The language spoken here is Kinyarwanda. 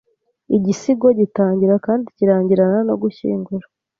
Igisigo gitangira kandi kirangirana no gushyingura